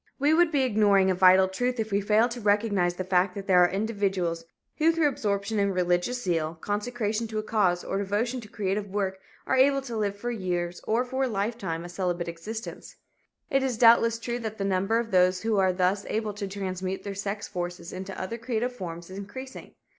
We would be ignoring a vital truth if we failed to recognize the fact that there are individuals who through absorption in religious zeal, consecration to a cause, or devotion to creative work are able to live for years or for a lifetime a celibate existence. It is doubtless true that the number of those who are thus able to transmute their sex forces into other creative forms is increasing.